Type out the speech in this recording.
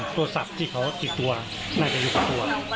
โทรศัพท์ที่เขาติดตัวน่าจะอยู่กับตัว